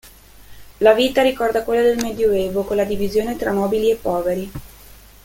La vita ricorda quella del Medioevo, con la divisione tra nobili e poveri.